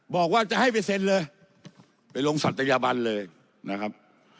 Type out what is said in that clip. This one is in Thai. บอกว่าจะให้ไปเซ็นเลยไปลงศัตยบันเลยนะครับ